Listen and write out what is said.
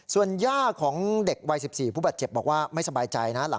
ส่วนย่าของเด็กวัย๑๔ผู้บาดเจ็บบอกว่าไม่สบายใจนะ